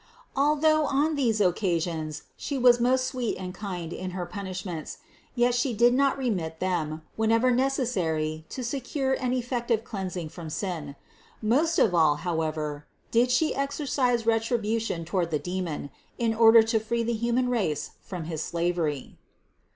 Al THE CONCEPTION 437 though on these occasions She was most sweet and kind in her punishments, yet She did not remit them, whenever necessary to secure an effective cleansing from sin. Most of all however did She exercise retribution toward the demon, in order to free the human race from his slavery.